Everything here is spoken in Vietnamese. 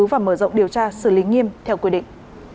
và mở rộng điều tra xử lý nghiêm theo quy định